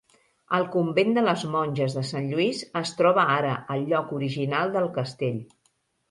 El Convent de les Monges de Sant Lluís es troba ara al lloc original del castell.